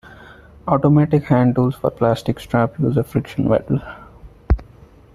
Automatic hand tools for plastic strap use a friction weld.